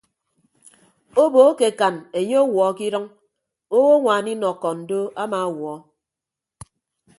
Obo akekan enye ọwuọ ke idʌñ owoñwaan inọkon do amawuọ.